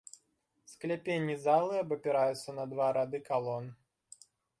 Скляпенні залы абапіраюцца на два рады калон.